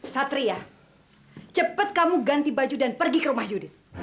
satria cepat kamu ganti baju dan pergi ke rumah yudi